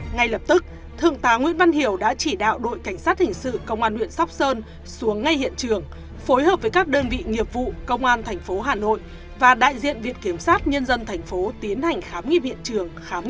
ngay lập tức thượng tá nguyễn văn hiểu đã chỉ đạo đội cảnh sát hình sự công an huyện sóc sơn xuống ngay hiện trường phối hợp với các đơn vị nghiệp vụ công an thành phố hà nội và đại diện viện kiểm sát nhân dân thành phố